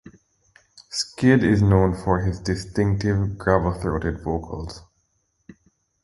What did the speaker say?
Skid is known for his distinctive gravel-throated vocals.